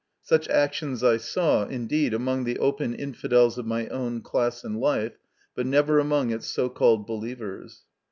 Such actions, I saw, indeed, among the open infidels of my own class in life, but never among its so called believers.